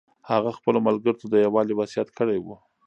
هغه خپلو ملګرو ته د یووالي وصیت کړی و.